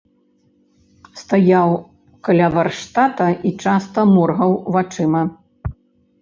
Стаяў каля варштата і часта моргаў вачыма.